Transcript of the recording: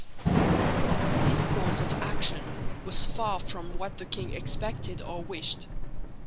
This course of action was far from what the king expected or wished.